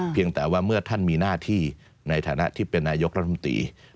เพียงแต่ว่าเมื่อท่านมีหน้าที่ในฐานะที่เป็นนายกรัฐมนตรี